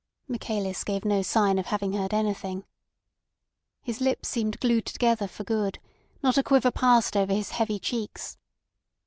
Michaelis gave no sign of having heard anything. His lips seemed glued together for good; not a quiver passed over his heavy cheeks.